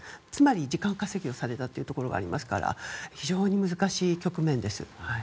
つまり時間稼ぎをされたというところがありますから非常に難しい局面です。